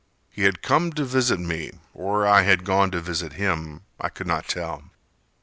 He had come to visit me, or I had gone to visit him—I could not tell.